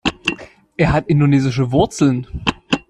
Er hat indonesische Wurzeln.